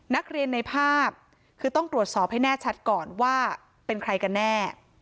นักเรียนในภาพคือต้องตรวจสอบให้แน่ชัดก่อนว่ามีใครก็แน่